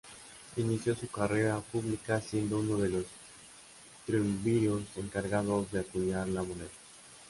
Inició su carrera pública siendo uno de los triunviros encargados de acuñar la moneda.